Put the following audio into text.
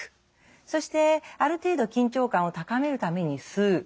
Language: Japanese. そしてある程度緊張感を高めるために吸う。